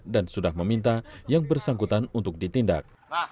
dan sudah meminta yang bersangkutan untuk ditindak